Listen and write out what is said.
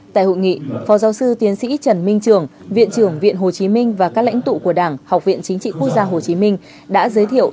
tại hội nghị phó giáo sư tiến sĩ trần minh trường viện trưởng viện hồ chí minh và các lãnh tụ của đảng học viện chính trị quốc gia hồ chí minh đã giới thiệu